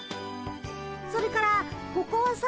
それからここはさ。